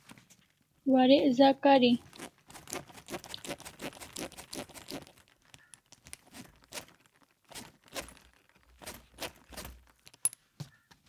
Warek za kari